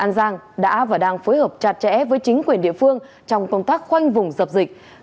an giang đã và đang phối hợp chặt chẽ với chính quyền địa phương trong công tác khoanh vùng dập dịch